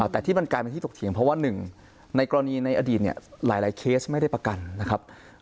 แต่ที่มันกลายเป็นที่ตกเถียงเพราะว่าหนึ่งในกรณีในอดีตเนี่ยหลายเคสไม่ได้ประกันนะครับ